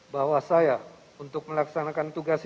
bahwa saya untuk melaksanakan tugas